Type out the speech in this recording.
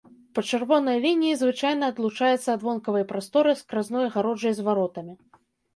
Па чырвонай лініі звычайна адлучаецца ад вонкавай прасторы скразной агароджай з варотамі.